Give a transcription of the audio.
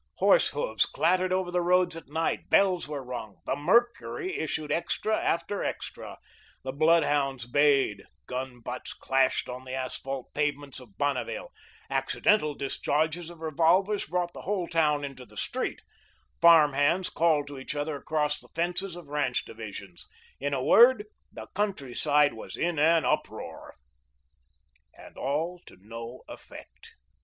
Horse hoofs clattered over the roads at night; bells were rung, the "Mercury" issued extra after extra; the bloodhounds bayed, gun butts clashed on the asphalt pavements of Bonneville; accidental discharges of revolvers brought the whole town into the street; farm hands called to each other across the fences of ranch divisions in a word, the country side was in an uproar. And all to no effect.